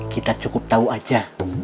kita cukup tahu aja